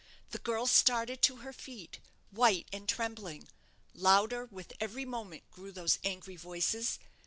The girl started to her feet, white and trembling. Louder with every moment grew those angry voices.